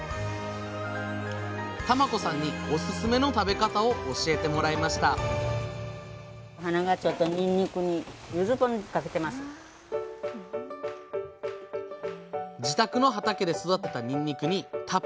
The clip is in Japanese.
玉子さんにオススメの食べ方を教えてもらいました自宅の畑で育てたにんにくにたっぷりのかつお節。